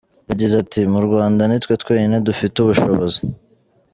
Yagize ati “Mu Rwanda ni twe twenyine dufite ubushobozi.